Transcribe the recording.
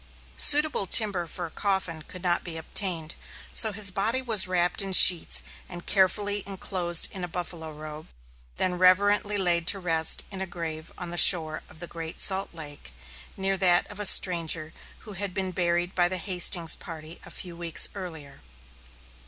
Suitable timber for a coffin could not be obtained, so his body was wrapped in sheets and carefully enclosed in a buffalo robe, then reverently laid to rest in a grave on the shore of Great Salt Lake, near that of a stranger, who had been buried by the Hastings party a few weeks earlier.